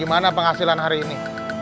gimana penghasilan hari ini